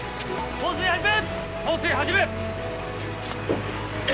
放水始め！